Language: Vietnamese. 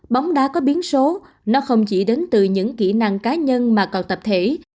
bóng đá có biến số nó không chỉ đến từ những kỹ năng cá nhân mà còn tập thể